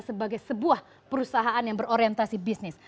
sebagai sebuah perusahaan yang berorientasi bisnis